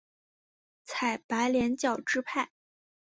采白莲教支派。